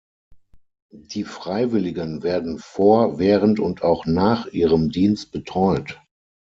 Die Freiwilligen werden vor, während und auch nach ihrem Dienst betreut.